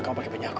kamu apa pak